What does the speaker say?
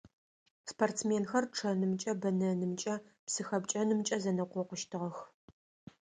Спортсменхэр чъэнымкӀэ, бэнэнымкӀэ, псы хэпкӀэнымкӀэ зэнэкъокъущтыгъэх.